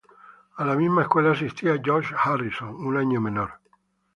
A la misma escuela asistía George Harrison, un año menor.